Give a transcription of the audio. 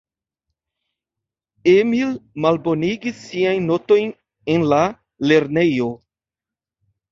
Emil malbonigis siajn notojn en la lernejo.